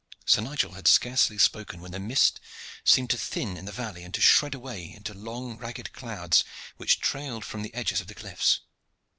Sir Nigel had scarcely spoken when the mist seemed to thin in the valley, and to shred away into long ragged clouds which trailed from the edges of the cliffs.